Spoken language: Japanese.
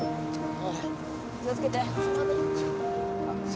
ああ。